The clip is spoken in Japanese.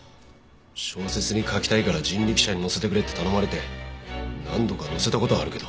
小説に書きたいから人力車に乗せてくれって頼まれて何度か乗せた事はあるけど。